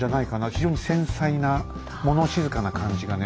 非常に繊細な物静かな感じがね